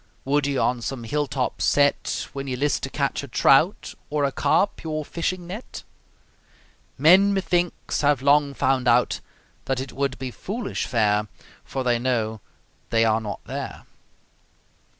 Would ye on some hill top set, When ye list to catch a trout, Or a carp, your fishing net? Men, methinks, have long found out That it would be foolish fare, For they know they are not there.